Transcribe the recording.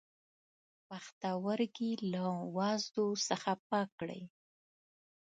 پښتورګی له وازدو څخه پاک کړئ.